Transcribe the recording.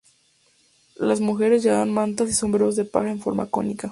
Las mujeres llevaban mantas y sombreros de paja en forma cónica.